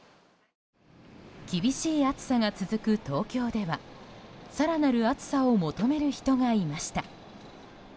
厳しい暑さが続く東京では更なる暑さを求める人がいました。